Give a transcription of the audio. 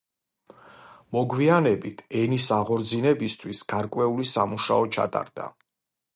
მოგვიანებით ენის აღორძინებისთვის გარკვეული სამუშაო ჩატარდა.